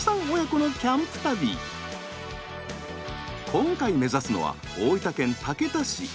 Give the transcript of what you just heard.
今回目指すのは大分県竹田市。